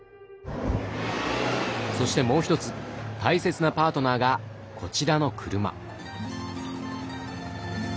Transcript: そしてもうひとつ大切なパートナーがこちらの車。